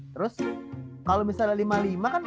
terus kalau misalnya lima puluh lima kan